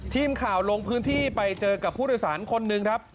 ทีมข่าวลงพื้นที่ไปเจอกับผู้โดยสารคนหนึ่งครับ